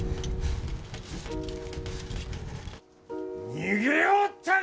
逃げおったか！